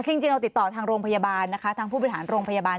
คือจริงเราติดต่อทางโรงพยาบาลนะคะทางผู้บริหารโรงพยาบาล